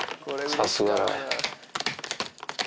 さすが雷。